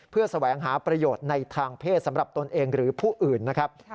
เพื่อแสวงหาประโยชน์ในทางเพศสำหรับตนเองหรือผู้อื่นนะครับ